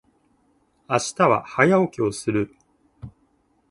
明日は早起きをする。